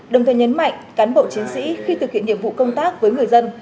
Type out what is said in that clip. đồng thời nhấn mạnh cán bộ chiến sĩ khi thực hiện nhiệm vụ công tác với người dân